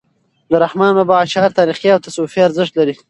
د رحمان بابا اشعار تاریخي او تصوفي ارزښت لري .